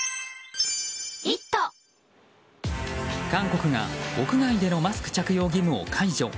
韓国が屋外でのマスク着用義務を解除。